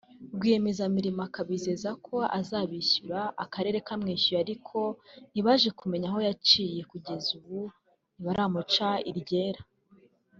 rwiyemezamirimo akabizeza ko azabishyura akarere kamwishyuye ariko ntibaje kumenya aho yaciye kugeza n’ubu ntibaramuca iryera